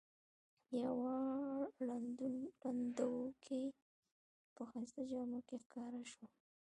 یوه ړندوکۍ په ښایسته جامو کې ښکاره شوه.